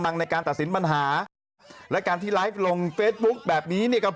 ทั้งนี้นะครับคลิป